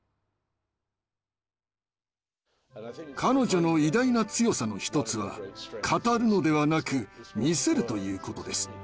彼女の偉大な強さの一つは語るのではなく見せるということです。